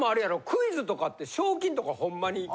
クイズとかって賞金とかほんまに。